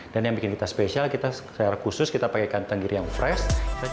dan yang bikin kita spesial kita secara khusus kita pakai kantang giri yang fresh